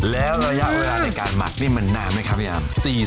แล้วระยะเวลาในการหมักนี่มันนานไหมครับพี่อ้ำ